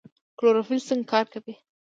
کلوروفیل څنګه کار کوي؟